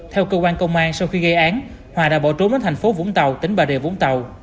theo cơ quan công an sau khi gây án hòa đã bỏ trốn đến thành phố vũng tàu tỉnh bà rịa vũng tàu